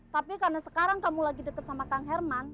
tapi karena sekarang kamu lagi deket sama kang herman